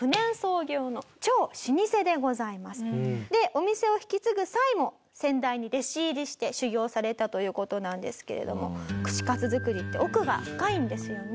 でお店を引き継ぐ際も先代に弟子入りして修業されたという事なんですけれども串かつ作りって奥が深いんですよね。